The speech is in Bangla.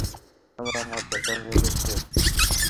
আমার হাত ব্যথা হয়ে গেছে।